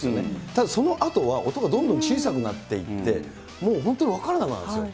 ただ、そのあとは音がどんどん小さくなっていって、もう本当に分からなくなるんですよ。